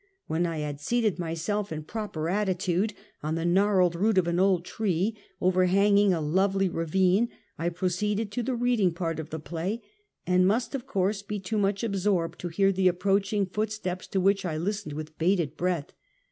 "When I had seated myself, in proper attitude, on the gnarled root of an old tree, overhanging a lovely ravine, I proceeded to the reading part of the play, and must of course be too much absorbed to hear the approaching footsteps, to which I listened with bated breath.